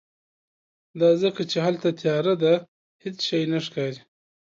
دا ځکه چې هلته تیاره ده، هیڅ شی نه ښکاری